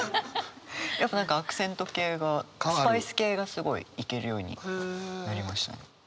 やっぱ何かアクセント系がスパイス系がすごいいけるようになりましたね。